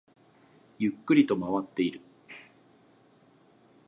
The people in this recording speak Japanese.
ゆっくりと回っている